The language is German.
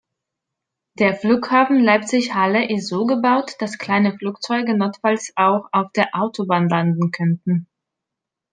Der Flughafen Leipzig/Halle ist so gebaut, dass kleine Flugzeuge notfalls auch auf der Autobahn landen könnten.